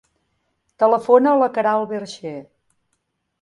Telefona a la Queralt Vercher.